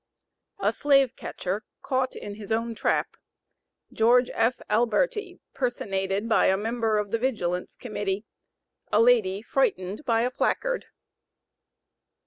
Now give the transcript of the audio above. A SLAVE CATCHER CAUGHT IN HIS OWN TRAP. GEORGE F. ALBERTI PERSONATED BY A MEMBER OF THE VIGILANCE COMMITTEE A LADY FRIGHTENED BY A PLACARD.